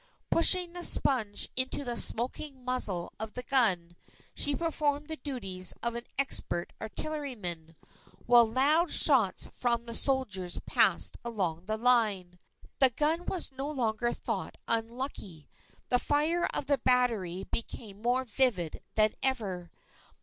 Pushing the sponge into the smoking muzzle of the gun, she performed the duties of an expert artilleryman, while loud shouts from the soldiers passed along the line. The gun was no longer thought unlucky. The fire of the battery became more vivid than ever.